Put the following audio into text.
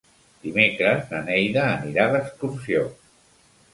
Dimecres na Neida anirà d'excursió.